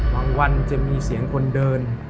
วันจะมีเสียงคนเดิน